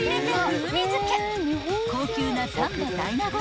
［高級な丹波大納言